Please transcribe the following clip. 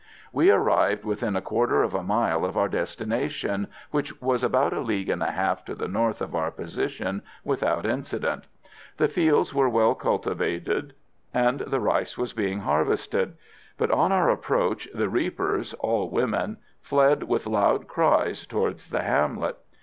We arrived within a quarter of a mile of our destination, which was about a league and a half to the north of our position, without incident. The fields were well cultivated, and the rice was being harvested, but on our approach, the reapers all women fled with loud cries towards the hamlet.